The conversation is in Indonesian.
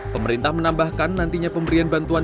pemerintah menambahkan nantinya pemberian bantuan